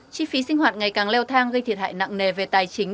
chi phí sinh hoạt ngày càng leo thang gây thiệt hại nặng nề về tài chính